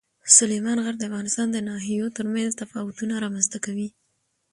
سلیمان غر د افغانستان د ناحیو ترمنځ تفاوتونه رامنځته کوي.